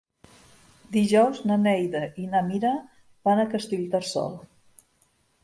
Dijous na Neida i na Mira van a Castellterçol.